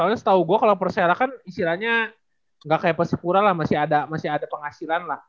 tapi pas tau gua kalo persela kan isilannya nggak kayak pesepura lah masih ada penghasilan lah